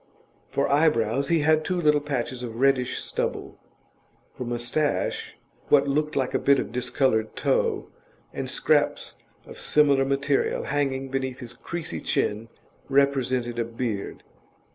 For eyebrows he had two little patches of reddish stubble; for moustache, what looked like a bit of discoloured tow, and scraps of similar material hanging beneath his creasy chin represented a beard.